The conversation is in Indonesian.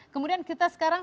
kemudian kita sekarang